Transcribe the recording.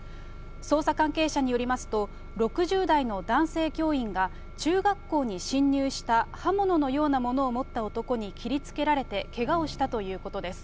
捜査関係者によりますと、６０代の男性教員が中学校に侵入した刃物のようなものを持った男に切りつけられてけがをしたということです。